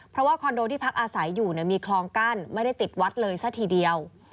เพราะว่าคอนโดที่พักอาศัยอยู่มีคลองกั้นไม่ได้ติดวัดเลยซะทีเดียว